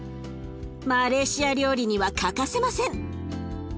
マレーシア料理には欠かせません。